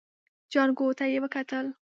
جانکو ته يې وکتل.